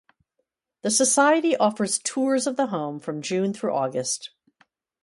The Society offers tours of the home from June through August.